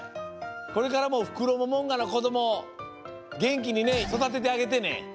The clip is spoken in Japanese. これからもフクロモモンガのこどもげんきにねそだててあげてね。